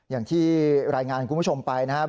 อย่างที่รายงานคุณผู้ชมไปนะครับ